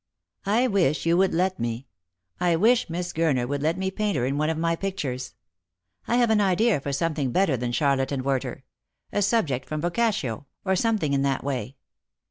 I wish you would let me — I wish Miss Gurner would let me paint her in one of my pictures. I have an idea for something better than Charlotte and Werter — a sub ject from Boccaccio, or something in that way.